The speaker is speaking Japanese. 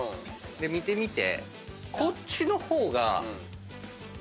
見てみて。